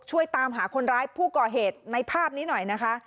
ช่วยตามหาคนร้ายผู้ก่อเหตุในภาพนี้หน่อยนะคะ